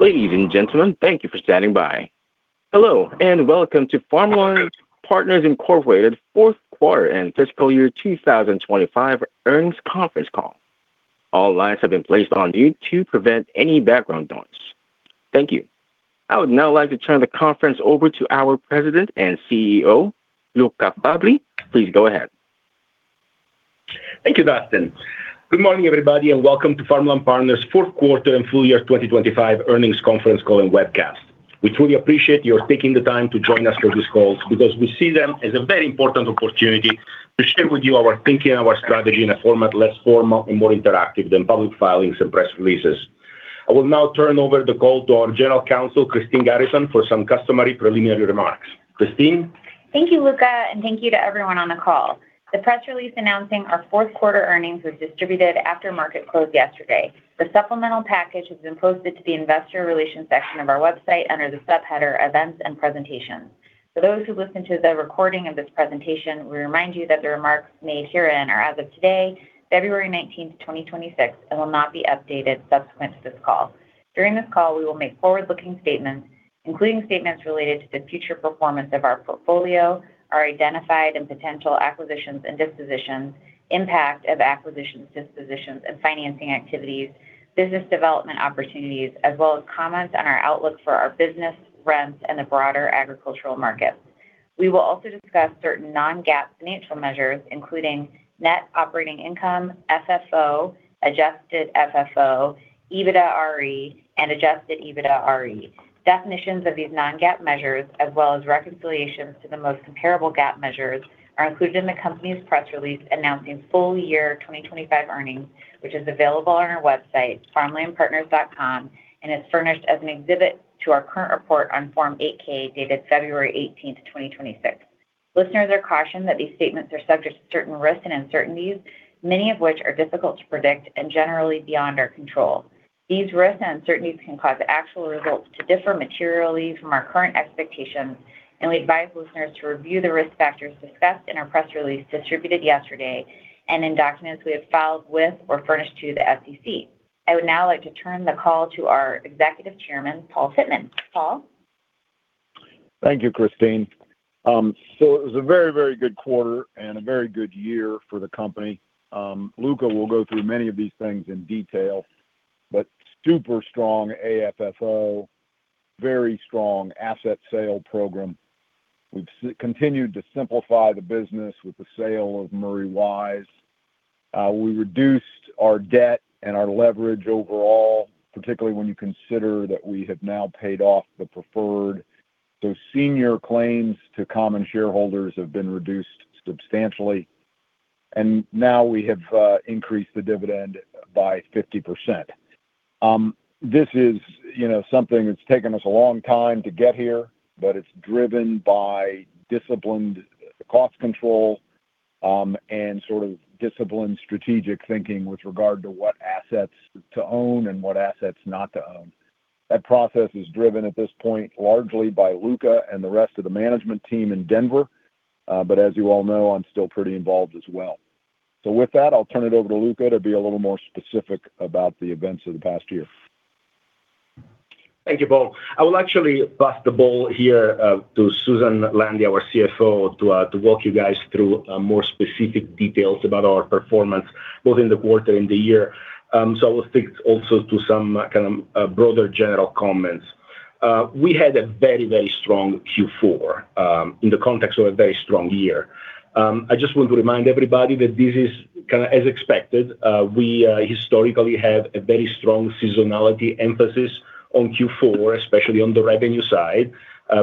Ladies and gentlemen, thank you for standing by. Hello, and welcome to Farmland Partners Incorporated Fourth Quarter and Fiscal Year 2025 Earnings Conference Call. All lines have been placed on mute to prevent any background noise. Thank you. I would now like to turn the conference over to our President and CEO, Luca Fabbri. Please go ahead. Thank you, Dustin. Good morning, everybody, and welcome to Farmland Partners' Fourth Quarter and Full Year 2025 Earnings Conference Call and Webcast. We truly appreciate your taking the time to join us for these calls because we see them as a very important opportunity to share with you our thinking and our strategy in a format less formal and more interactive than public filings and press releases. I will now turn over the call to our General Counsel, Christine Garrison, for some customary preliminary remarks. Christine? Thank you, Luca, and thank you to everyone on the call. The press release announcing our fourth quarter earnings was distributed after market close yesterday. The supplemental package has been posted to the Investor Relations section of our website under the Subheaders Events and Presentations. For those who listen to the recording of this presentation, we remind you that the remarks made herein are as of today, February 19, 2026, and will not be updated subsequent to this call. During this call, we will make forward-looking statements, including statements related to the future performance of our portfolio, our identified and potential acquisitions and dispositions, impact of acquisitions, dispositions, and financing activities, business development opportunities, as well as comments on our outlook for our business, rents, and the broader agricultural market. We will also discuss certain non-GAAP financial measures, including net operating income, FFO, adjusted FFO, EBITDAre, and adjusted EBITDAre. Definitions of these non-GAAP measures, as well as reconciliations to the most comparable GAAP measures, are included in the company's press release announcing full year 2025 earnings, which is available on our website, farmlandpartners.com, and is furnished as an exhibit to our current report on Form 8-K, dated February 18, 2026. Listeners are cautioned that these statements are subject to certain risks and uncertainties, many of which are difficult to predict and generally beyond our control. These risks and uncertainties can cause actual results to differ materially from our current expectations, and we advise listeners to review the risk factors discussed in our press release distributed yesterday and in documents we have filed with or furnished to the SEC. I would now like to turn the call to our Executive Chairman, Paul Pittman. Paul? Thank you, Christine. So it was a very, very good quarter and a very good year for the company. Luca will go through many of these things in detail, but super strong AFFO, very strong asset sale program. We've continued to simplify the business with the sale of Murray Wise. We reduced our debt and our leverage overall, particularly when you consider that we have now paid off the preferred. So senior claims to common shareholders have been reduced substantially, and now we have increased the dividend by 50%. This is, you know, something that's taken us a long time to get here, but it's driven by disciplined cost control and sort of disciplined strategic thinking with regard to what assets to own and what assets not to own. That process is driven at this point, largely by Luca and the rest of the management team in Denver, but as you all know, I'm still pretty involved as well. So with that, I'll turn it over to Luca to be a little more specific about the events of the past year. Thank you, Paul. I will actually pass the ball here to Susan Landi, our CFO, to walk you guys through more specific details about our performance, both in the quarter and the year. So I will stick also to some kind of broader general comments. We had a very, very strong Q4 in the context of a very strong year. I just want to remind everybody that this is kind a as expected. We historically have a very strong seasonality emphasis on Q4, especially on the revenue side,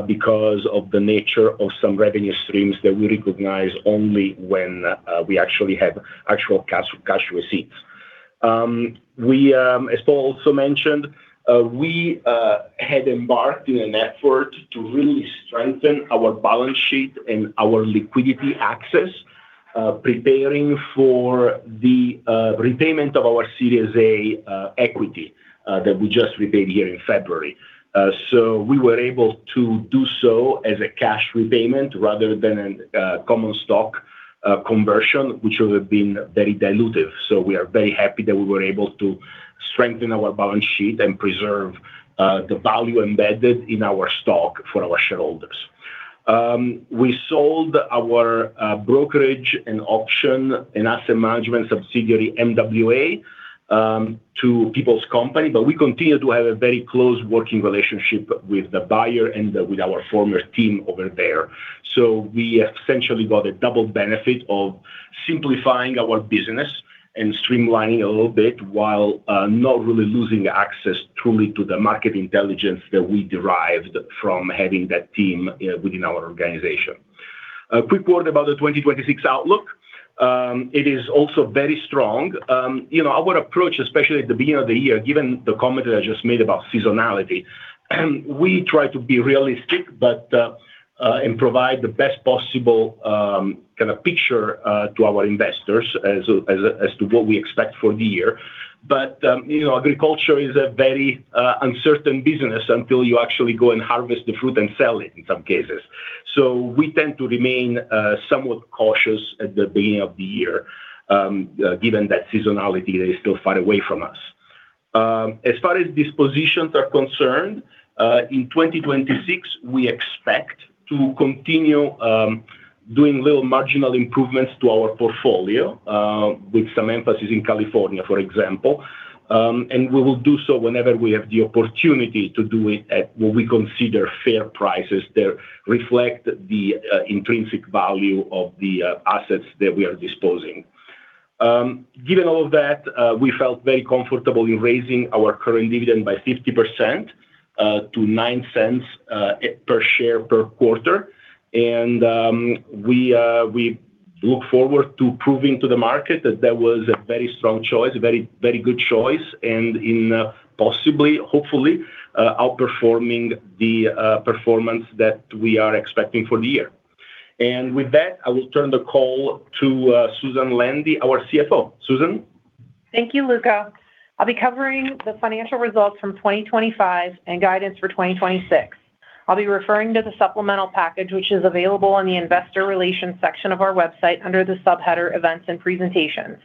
because of the nature of some revenue streams that we recognize only when we actually have actual cash, cash receipts. We, as Paul also mentioned, we had embarked in an effort to really strengthen our balance sheet and our liquidity access, preparing for the repayment of our Series A equity that we just repaid here in February. So we were able to do so as a cash repayment rather than a common stock conversion, which would have been very dilutive. So we are very happy that we were able to strengthen our balance sheet and preserve the value embedded in our stock for our shareholders. We sold our brokerage and auction and asset management subsidiary, MWA, to Peoples Company, but we continue to have a very close working relationship with the buyer and with our former team over there. So we essentially got a double benefit of simplifying our business and streamlining a little bit while, not really losing access truly to the market intelligence that we derived from having that team, within our organization. A quick word about the 2026 outlook. It is also very strong. You know, our approach, especially at the beginning of the year, given the comment that I just made about seasonality, we try to be realistic, but, and provide the best possible, kind of picture, to our investors as, as, as to what we expect for the year. But, you know, agriculture is a very, uncertain business until you actually go and harvest the fruit and sell it, in some cases.... So we tend to remain somewhat cautious at the beginning of the year, given that seasonality is still far away from us. As far as dispositions are concerned, in 2026, we expect to continue doing little marginal improvements to our portfolio, with some emphasis in California, for example. And we will do so whenever we have the opportunity to do it at what we consider fair prices that reflect the intrinsic value of the assets that we are disposing. Given all of that, we felt very comfortable in raising our current dividend by 50% to $0.09 per share per quarter. And, we look forward to proving to the market that that was a very strong choice, a very, very good choice, and, possibly, hopefully, outperforming the performance that we are expecting for the year. And with that, I will turn the call to Susan Landi, our CFO. Susan? Thank you, Luca. I'll be covering the financial results from 2025 and guidance for 2026. I'll be referring to the supplemental package, which is available on the investor relations section of our website under the Subheader Events and Presentations.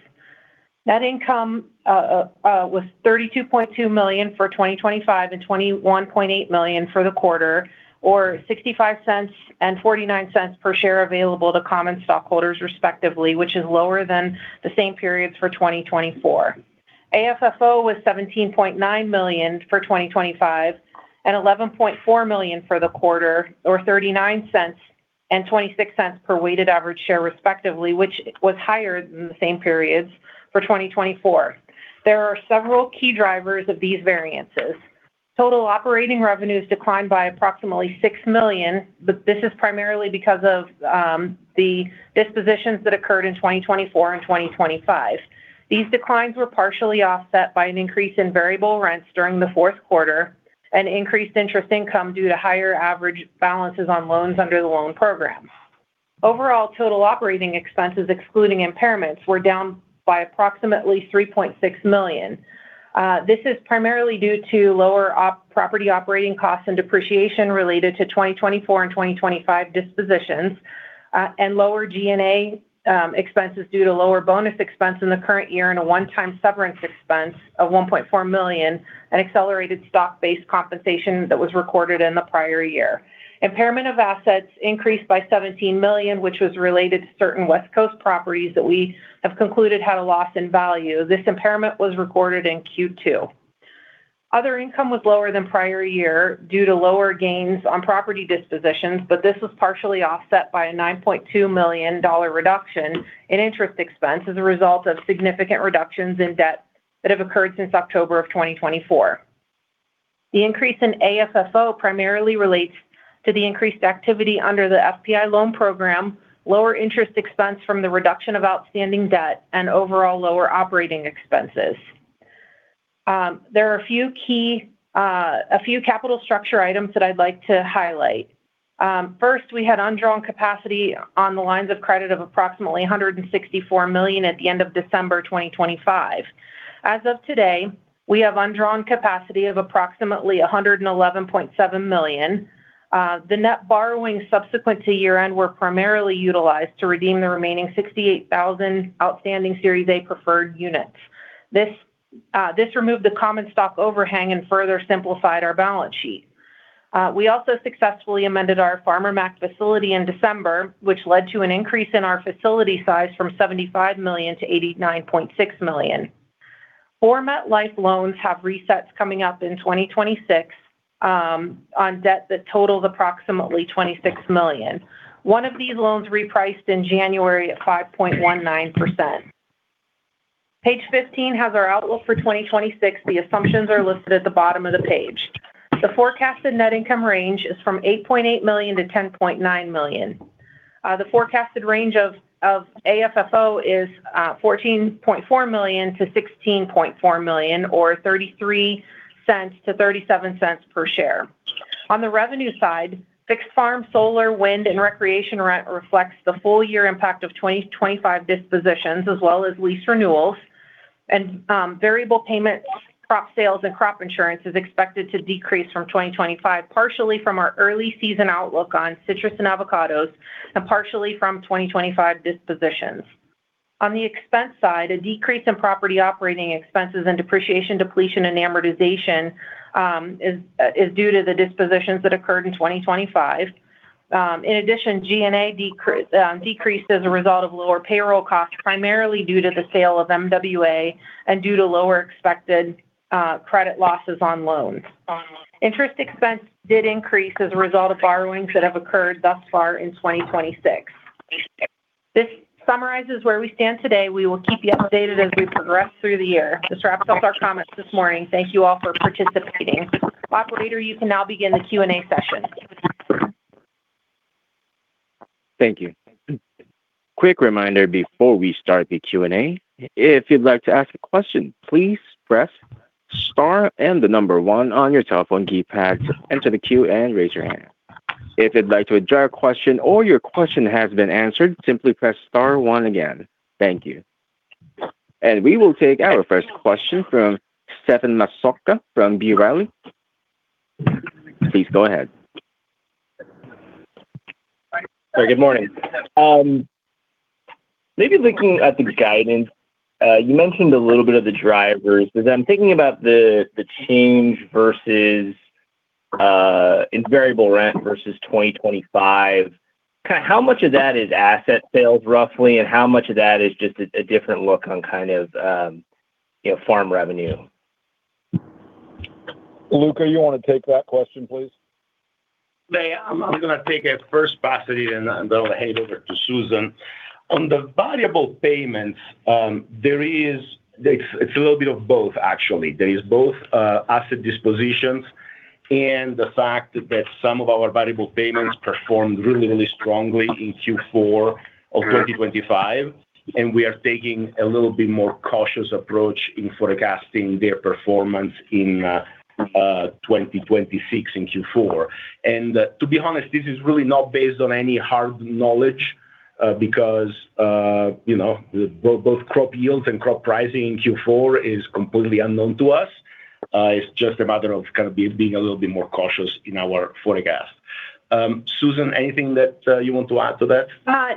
Net income was $32.2 million for 2025 and $21.8 million for the quarter, or $0.65 and $0.49 per share available to common stockholders respectively, which is lower than the same periods for 2024. AFFO was $17.9 million for 2025 and $11.4 million for the quarter, or $0.39 and $0.26 per weighted average share, respectively, which was higher than the same periods for 2024. There are several key drivers of these variances. Total operating revenues declined by approximately $6 million, but this is primarily because of the dispositions that occurred in 2024 and 2025. These declines were partially offset by an increase in variable rents during the fourth quarter and increased interest income due to higher average balances on loans under the loan program. Overall, total operating expenses, excluding impairments, were down by approximately $3.6 million. This is primarily due to lower property operating costs and depreciation related to 2024 and 2025 dispositions, and lower G&A expenses due to lower bonus expense in the current year and a one-time severance expense of $1.4 million, and accelerated stock-based compensation that was recorded in the prior year. Impairment of assets increased by $17 million, which was related to certain West Coast properties that we have concluded had a loss in value. This impairment was recorded in Q2. Other income was lower than prior year due to lower gains on property dispositions, but this was partially offset by a $9.2 million reduction in interest expense as a result of significant reductions in debt that have occurred since October 2024. The increase in AFFO primarily relates to the increased activity under the FPI loan program, lower interest expense from the reduction of outstanding debt, and overall lower operating expenses. There are a few key capital structure items that I'd like to highlight. First, we had undrawn capacity on the lines of credit of approximately $164 million at the end of December 2025. As of today, we have undrawn capacity of approximately $111.7 million. The net borrowings subsequent to year-end were primarily utilized to redeem the remaining 68,000 outstanding Series A Preferred Units. This removed the common stock overhang and further simplified our balance sheet. We also successfully amended our Farmer Mac facility in December, which led to an increase in our facility size from $75 million to $89.6 million. Four MetLife loans have resets coming up in 2026, on debt that totals approximately $26 million. One of these loans repriced in January at 5.19%. Page 15 has our outlook for 2026. The assumptions are listed at the bottom of the page. The forecasted net income range is from $8.8 million-$10.9 million. The forecasted range of AFFO is $14.4 million-$16.4 million, or $0.33-$0.37 per share. On the revenue side, fixed farm, solar, wind, and recreation rent reflects the full year impact of 2025 dispositions, as well as lease renewals. Variable payments, crop sales, and crop insurance is expected to decrease from 2025, partially from our early season outlook on citrus and avocados, and partially from 2025 dispositions. On the expense side, a decrease in property operating expenses and depreciation, depletion, and amortization is due to the dispositions that occurred in 2025. In addition, G&A decreased as a result of lower payroll costs, primarily due to the sale of MWA and due to lower expected credit losses on loans. Interest expense did increase as a result of borrowings that have occurred thus far in 2026. This summarizes where we stand today. We will keep you updated as we progress through the year. This wraps up our comments this morning. Thank you all for participating. Operator, you can now begin the Q&A session. Thank you. Quick reminder before we start the Q&A, if you'd like to ask a question, please press star and the number one on your telephone keypad to enter the queue and raise your hand. If you'd like to withdraw a question or your question has been answered, simply press star one again. Thank you.... And we will take our first question from Stephen Massocca from B. Riley. Please go ahead. Good morning. Maybe looking at the guidance, you mentioned a little bit of the drivers. As I'm thinking about the change in variable rent versus 2025, kind of how much of that is asset sales roughly, and how much of that is just a different look on kind of, you know, farm revenue? Luca, you want to take that question, please? Hey, I'm gonna take a first pass at it, and then I'll hand it over to Susan. On the variable payments, there is. It's a little bit of both, actually. There is both asset dispositions and the fact that some of our variable payments performed really, really strongly in Q4 of 2025, and we are taking a little bit more cautious approach in forecasting their performance in 2026 in Q4. And, to be honest, this is really not based on any hard knowledge, because, you know, both crop yields and crop pricing in Q4 is completely unknown to us. It's just a matter of kind of being a little bit more cautious in our forecast. Susan, anything that you want to add to that?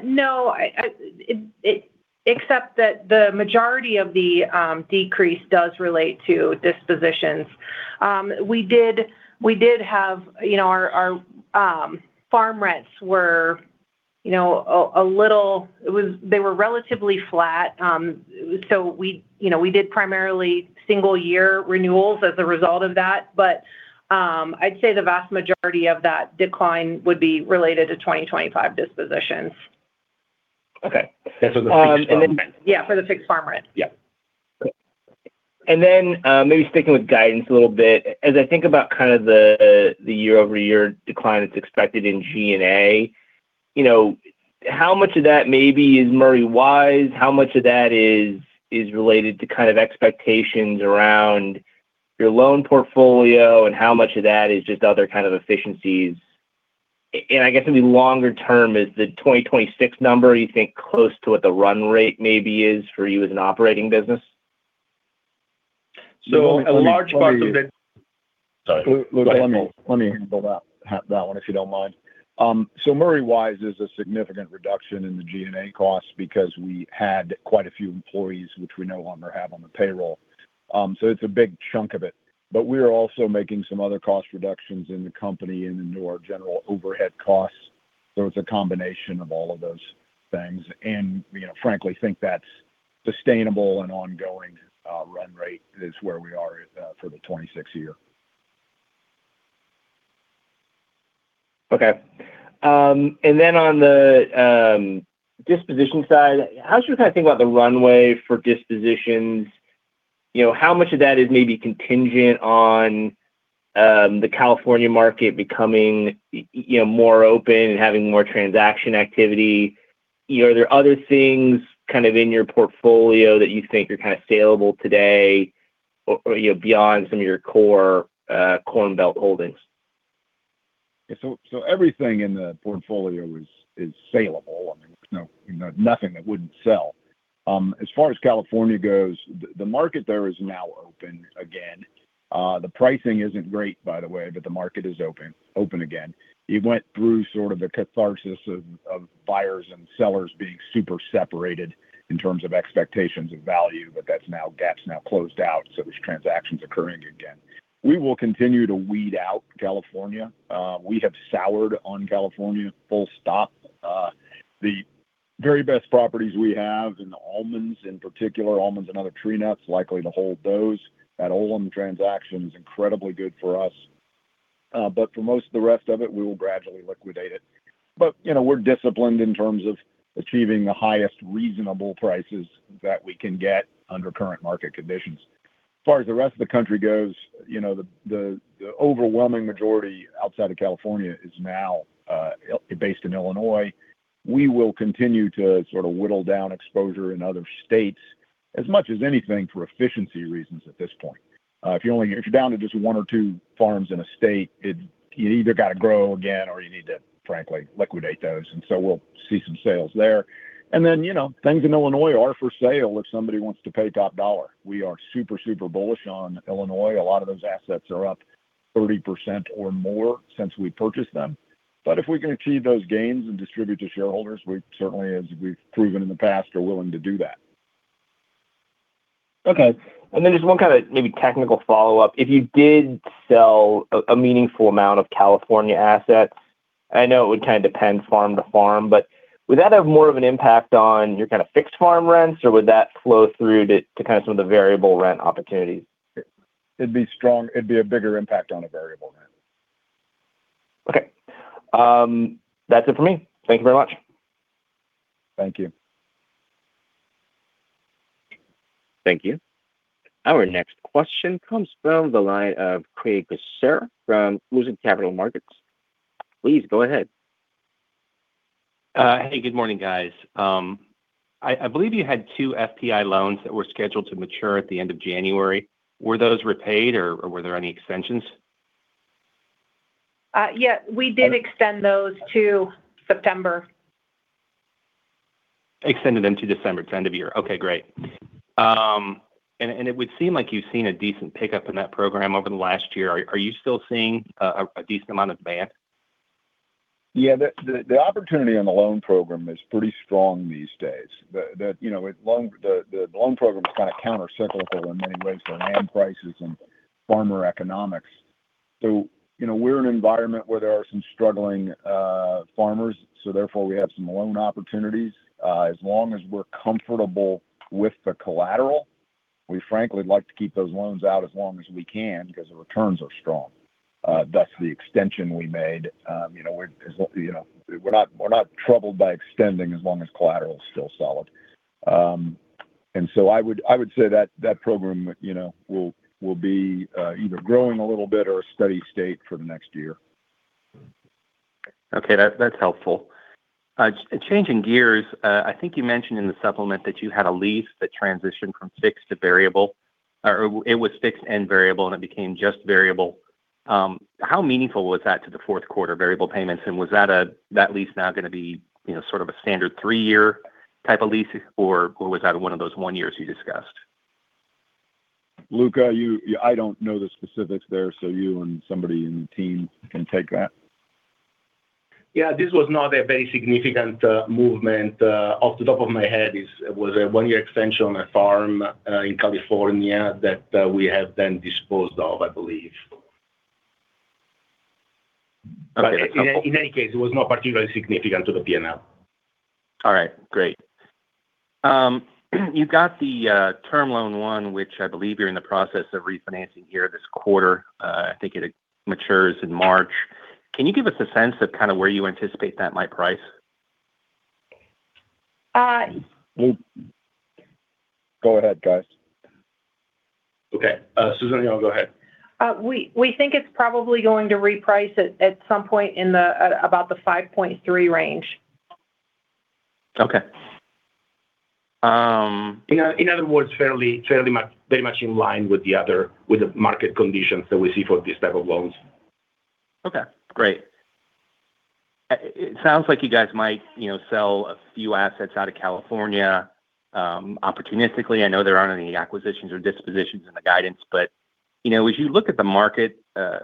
No, except that the majority of the decrease does relate to dispositions. We did have, you know, our farm rents were, you know, a little... they were relatively flat. So we, you know, we did primarily single-year renewals as a result of that, but, I'd say the vast majority of that decline would be related to 2025 dispositions. Okay. For the fixed farm- And then, yeah, for the fixed farm rent. Yeah. Then, maybe sticking with guidance a little bit. As I think about kind of the year-over-year decline that's expected in G&A, you know, how much of that maybe is Murray Wise? How much of that is related to kind of expectations around your loan portfolio, and how much of that is just other kind of efficiencies? I guess in the longer term, is the 2026 number, you think, close to what the run rate maybe is for you as an operating business? A large part of it- Sorry. Luca, let me handle that one, if you don't mind. So Murray Wise is a significant reduction in the G&A costs because we had quite a few employees which we no longer have on the payroll. So it's a big chunk of it. But we are also making some other cost reductions in the company and into our general overhead costs, so it's a combination of all of those things. And, you know, frankly, think that's sustainable and ongoing run rate is where we are at for the 2026 year. Okay. And then on the disposition side, how should we kind of think about the runway for dispositions? You know, how much of that is maybe contingent on the California market becoming, you know, more open and having more transaction activity? You know, are there other things kind of in your portfolio that you think are kind of saleable today or you know, beyond some of your core Corn Belt holdings? So everything in the portfolio is saleable. I mean, there's no, you know, nothing that wouldn't sell. As far as California goes, the market there is now open again. The pricing isn't great, by the way, but the market is open again. It went through sort of a catharsis of buyers and sellers being super separated in terms of expectations of value, but that's now closed out, so there's transactions occurring again. We will continue to weed out California. We have soured on California, full stop. The very best properties we have in the almonds, in particular, almonds and other tree nuts, likely to hold those. That Olam transaction is incredibly good for us, but for most of the rest of it, we will gradually liquidate it. But, you know, we're disciplined in terms of achieving the highest reasonable prices that we can get under current market conditions. As far as the rest of the country goes, you know, the overwhelming majority outside of California is now based in Illinois. We will continue to sort of whittle down exposure in other states as much as anything for efficiency reasons at this point. If you're down to just one or two farms in a state, you either got to grow again or you need to, frankly, liquidate those. And then, you know, things in Illinois are for sale if somebody wants to pay top dollar. We are super, super bullish on Illinois. A lot of those assets are up 30% or more since we purchased them. If we can achieve those gains and distribute to shareholders, we certainly, as we've proven in the past, are willing to do that. Okay. And then just one kind of maybe technical follow-up. If you did sell a meaningful amount of California assets, I know it would kind of depend farm to farm, but would that have more of an impact on your kind of fixed farm rents, or would that flow through to kind of some of the variable rent opportunities? It'd be strong. It'd be a bigger impact on a variable rent. Okay. That's it for me. Thank you very much. Thank you. Thank you. Our next question comes from the line of Craig Cassera from Raymond James Capital Markets. Please go ahead. Hey, good morning, guys. I believe you had two FPI loans that were scheduled to mature at the end of January. Were those repaid, or were there any extensions? ... Yeah, we did extend those to September. Extended them to December, end of year. Okay, great. And it would seem like you've seen a decent pickup in that program over the last year. Are you still seeing a decent amount of demand? Yeah, the opportunity on the loan program is pretty strong these days. The, you know, the loan program is kind of countercyclical when we raise the land prices and farmer economics. So, you know, we're in an environment where there are some struggling farmers, so therefore, we have some loan opportunities. As long as we're comfortable with the collateral, we frankly would like to keep those loans out as long as we can because the returns are strong. Thus, the extension we made, you know, we're not troubled by extending as long as collateral is still solid. And so I would say that that program, you know, will be either growing a little bit or a steady state for the next year. Okay, that's helpful. Changing gears, I think you mentioned in the supplement that you had a lease that transitioned from fixed to variable, or it was fixed and variable, and it became just variable. How meaningful was that to the fourth quarter variable payments? And was that that lease now gonna be, you know, sort of a standard three-year type of lease, or was that one of those one years you discussed? Luca, you... I don't know the specifics there, so you and somebody in the team can take that. Yeah, this was not a very significant movement. Off the top of my head, it was a one-year extension on a farm in California that we have then disposed of, I believe. Okay. But in any case, it was not particularly significant to the P&L. All right, great. You've got the term loan one, which I believe you're in the process of refinancing here this quarter. I think it matures in March. Can you give us a sense of kind of where you anticipate that might price? Uh- Well, go ahead, guys. Okay. Susan, you go ahead. We think it's probably going to reprice at some point in about the 5.3 range. Okay. Um- In other words, fairly much, very much in line with the market conditions that we see for these type of loans. Okay, great. It sounds like you guys might, you know, sell a few assets out of California opportunistically. I know there aren't any acquisitions or dispositions in the guidance, but, you know, as you look at the market,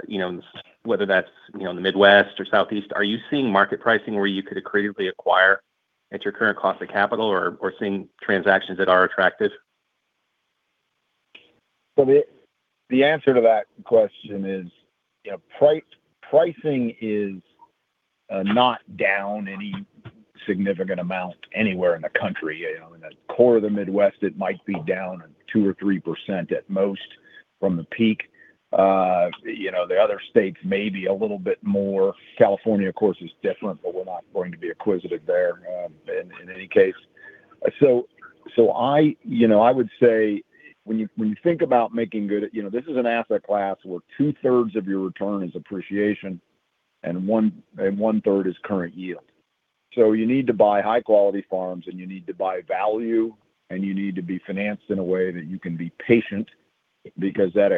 you know, whether that's, you know, in the Midwest or Southeast, are you seeing market pricing where you could creatively acquire at your current cost of capital or seeing transactions that are attractive? So the answer to that question is, you know, pricing is not down any significant amount anywhere in the country. You know, in the core of the Midwest, it might be down two or three % at most from the peak. You know, the other states may be a little bit more. California, of course, is different, but we're not going to be acquisitive there in any case. So I, you know, I would say when you think about making good... You know, this is an asset class where two-thirds of your return is appreciation and one-third is current yield. So you need to buy high-quality farms, and you need to buy value, and you need to be financed in a way that you can be patient because that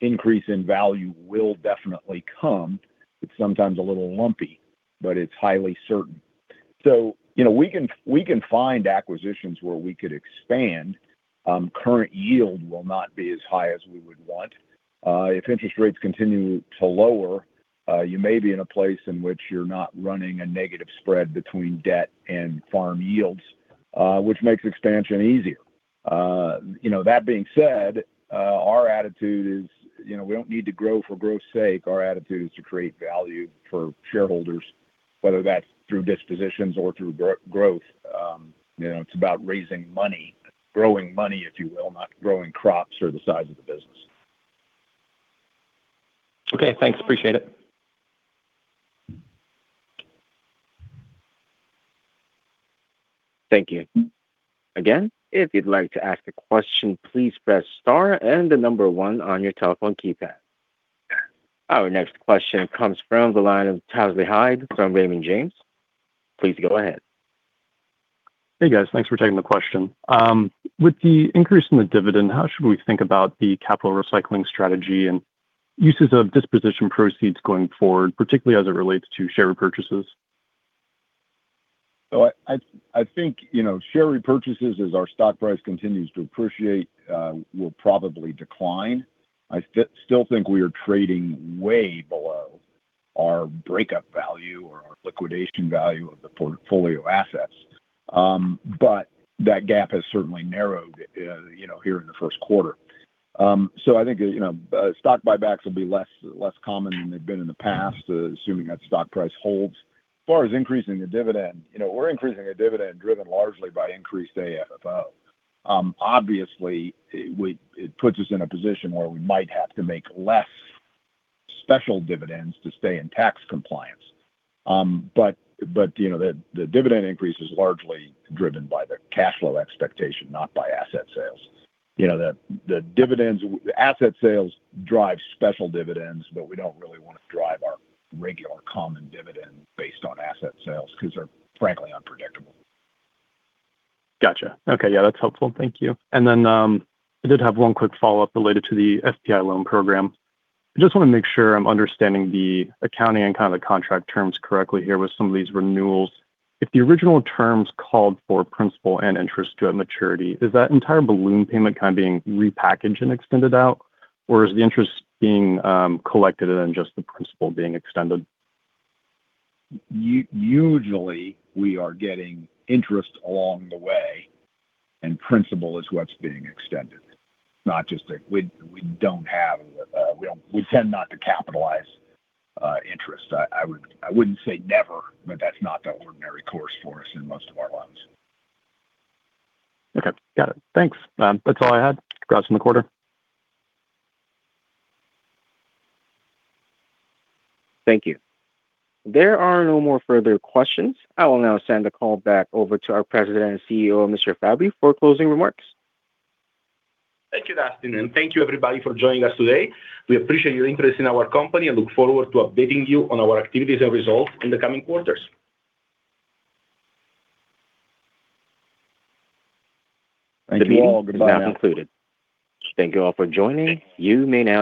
increase in value will definitely come. It's sometimes a little lumpy, but it's highly certain. So, you know, we can, we can find acquisitions where we could expand. Current yield will not be as high as we would want. If interest rates continue to lower, you may be in a place in which you're not running a negative spread between debt and farm yields, which makes expansion easier. You know, that being said, our attitude is, you know, we don't need to grow for growth's sake. Our attitude is to create value for shareholders, whether that's through dispositions or through growth. You know, it's about raising money, growing money, if you will, not growing crops or the size of the business. Okay, thanks. Appreciate it. Thank you. Again, if you'd like to ask a question, please press star and the number one on your telephone keypad. Our next question comes from the line of Telsey Hyde from Raymond James. Please go ahead. Hey, guys. Thanks for taking the question. With the increase in the dividend, how should we think about the capital recycling strategy and uses of disposition proceeds going forward, particularly as it relates to share repurchases? So I think, you know, share repurchases, as our stock price continues to appreciate, will probably decline. I still think we are trading way below our breakup value or our liquidation value of the portfolio assets. But that gap has certainly narrowed, you know, here in the first quarter. So I think, you know, stock buybacks will be less common than they've been in the past, assuming that stock price holds. As far as increasing the dividend, you know, we're increasing our dividend driven largely by increased AFFO. Obviously, it puts us in a position where we might have to make less special dividends to stay in tax compliance. But, you know, the dividend increase is largely driven by the cash flow expectation, not by asset sales. You know, the dividends, asset sales drive special dividends, but we don't really want to drive our regular common dividend based on asset sales because they're frankly unpredictable. Gotcha. Okay. Yeah, that's helpful. Thank you. And then, I did have one quick follow-up related to the FPI Loan Program. I just want to make sure I'm understanding the accounting and kind of the contract terms correctly here with some of these renewals. If the original terms called for principal and interest due at maturity, is that entire balloon payment kind of being repackaged and extended out, or is the interest being collected and then just the principal being extended? Usually, we are getting interest along the way, and principal is what's being extended, not just the... We don't have, we tend not to capitalize interest. I would, I wouldn't say never, but that's not the ordinary course for us in most of our loans. Okay, got it. Thanks. That's all I had. Congrats on the quarter. Thank you. There are no more further questions. I will now send the call back over to our President and CEO, Mr. Fabbri, for closing remarks. Thank you, Dustin, and thank you, everybody, for joining us today. We appreciate your interest in our company and look forward to updating you on our activities and results in the coming quarters. Thank you all. Goodbye now. The meeting is now concluded. Thank you all for joining. You may now-